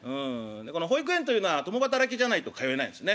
この保育園というのは共働きじゃないと通えないんですね。